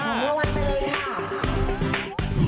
รางวัลไปเลยค่ะ